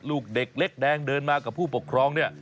ลูกเด็กเล็กแดงเดินมากับผู้ปกครองเนี่ย